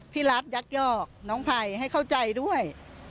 พี่รัฐยักยอกน้องไพรให้เข้าใจด้วย